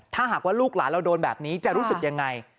ถ้าหากว่าลูกหลานเราโดนแบบนี้จะรู้สึกยังไง